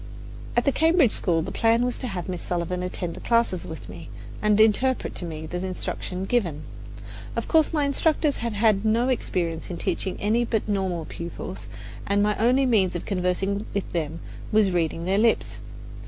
At the Cambridge School the plan was to have Miss Sullivan attend the classes with me and interpret to me the instruction given. Of course my instructors had had no experience in teaching any but normal pupils, and my only means of conversing with them was reading their lips.